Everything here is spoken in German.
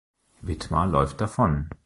Wittmar läuft davon.